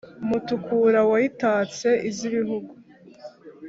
Mutukura wayitatse iz’ibihugu,